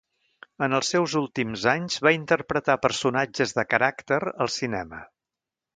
En els seus últims anys va interpretar personatges de caràcter al cinema.